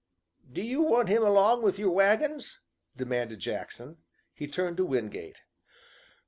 "Do you want him along with your wagons?" demanded Jackson. He turned to Wingate.